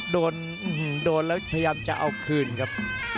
โดนและพยายามจะเอาคืนครับ